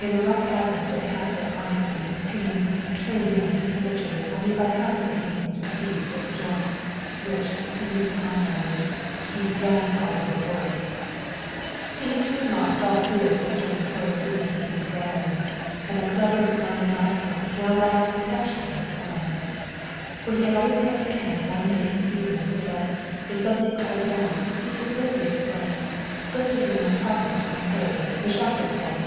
In a rough average at a half way honesty, Timmins "turned in" habitually about half of the evening's receipts of the "joint," which, to use his own language, he "ran for all it was worth." He had soon lost all fear of his stern employer visiting him at random, and the clever London rascal now laughed detection to scorn. For he always kept in hand one day's stealings so that, if suddenly "called down," he could glibly explain, "Slipped it in my pocket in my hurry! The shop was full!"